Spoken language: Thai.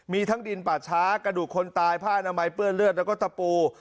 มีทั้งดินป่าช้ากระดูกคนตายผ้านามัยเปื้อนเลือดแล้วก็ตะปู